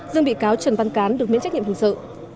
dương bị cáo trần văn cán được miễn trách nhiệm hình sự